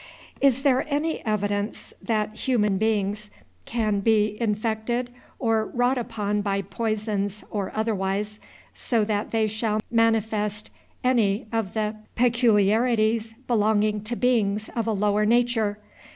Is there any evidence that human beings can be infected or wrought upon by poisons, or otherwise, so that they shall manifest any of the peculiarities belonging to beings of a lower nature?